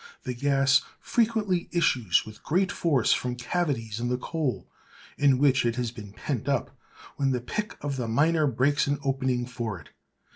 The gas frequently issues with great force from cavities in the coal (in which it has been pent up), when the pick of the miner breaks an opening for it.